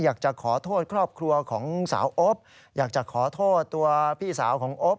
อยากจะขอโทษครอบครัวของสาวอบอยากจะขอโทษตัวพี่สาวของอบ